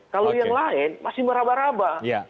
kalau yang lain masih meraba raba